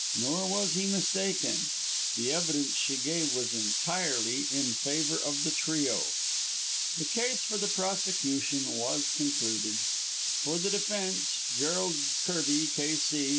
Nor was he mistaken. The evidence she gave was entirely in favour of the trio. The case for the prosecution was concluded. For the defence, Gerald Kirby, K.C.